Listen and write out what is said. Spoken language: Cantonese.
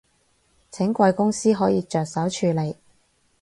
請貴公司可以着手處理